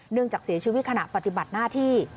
จากเสียชีวิตขณะปฏิบัติหน้าที่